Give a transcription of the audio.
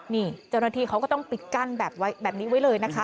นี่เจ้าหน้าที่เขาก็ต้องปิดกั้นแบบนี้ไว้เลยนะคะ